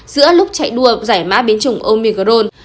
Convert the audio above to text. giữa lúc chạy đua giải má biến chủng omicron